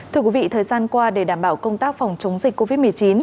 thưa quý vị thời gian qua để đảm bảo công tác phòng chống dịch covid một mươi chín